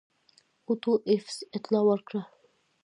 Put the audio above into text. اوټو ایفز اطلاع ورکړه.